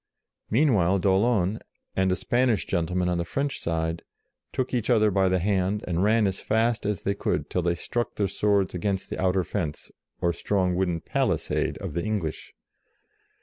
Meanwhile d'Aulon, and a Spanish gentle man on the French side, took each other by the hand, and ran as fast as they could till they struck their swords against the outer fence, or strong wooden palisade of the English.